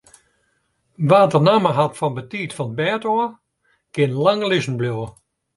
Wa't de namme hat fan betiid fan 't bêd ôf, kin lang lizzen bliuwe.